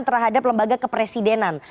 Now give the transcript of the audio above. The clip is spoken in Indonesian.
terhadap lembaga kepresidenan